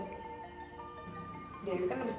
dewi kan lebih senang nyontek daripada belajar